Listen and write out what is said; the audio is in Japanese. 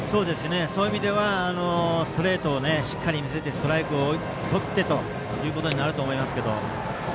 そういう意味ではストレートをしっかり見せてストライクをとってということになると思いますけど。